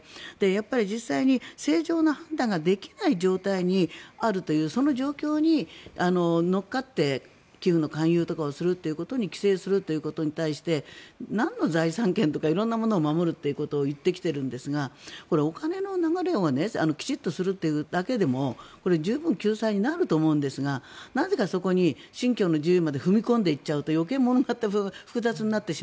やっぱり実際に正常な判断ができない状態にあるというその状況に乗っかって寄付の勧誘をするとかに規制するということに対してなんの財産権とか色んなことを守るということを言ってきているんですがこれ、お金の流れをきちんとするというだけでも十分救済になると思いますがなぜかそこに信教の自由まで踏み込んでいっちゃうと余計、複雑になる。